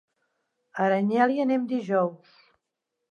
A Aranyel hi anem dijous.